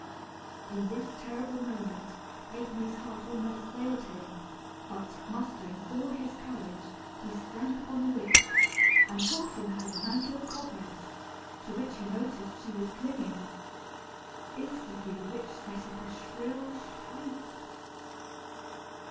In this terrible moment Ha'penny's heart almost failed him; but, mustering all his courage, he sprang upon the witch, and tore from her the mantle of cobwebs, to which he noticed she was clinging. Instantly the witch set up a shrill shriek.